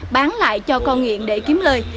bán lại cho con nghiện để kiếm lời